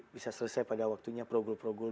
bisa selesai pada waktunya progul progul